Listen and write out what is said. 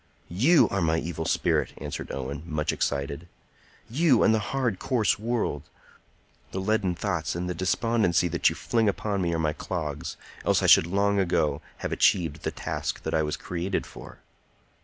"You are my evil spirit," answered Owen, much excited,—"you and the hard, coarse world! The leaden thoughts and the despondency that you fling upon me are my clogs, else I should long ago have achieved the task that I was created for."